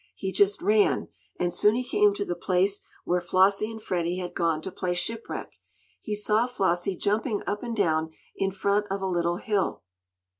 He just ran, and soon he came to the place where Flossie and Freddie had gone to play shipwreck. He saw Flossie jumping up and down in front of a little hill.